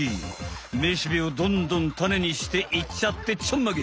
めしべをどんどんタネにしていっちゃってちょんまげ！